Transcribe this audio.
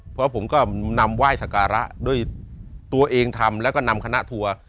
เพราะผมก็นำไหว้สการะด้วยตัวเองทำแล้วก็นำคณะทัวร์